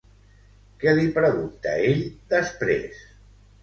Què li pregunta ell després?